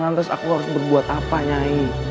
lantas aku harus berbuat apa nyai